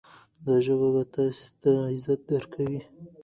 دا ژبه به تاسې ته عزت درکړي.